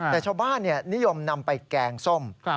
แต่ชาวบ้านนิยมนำไปแกงส้ม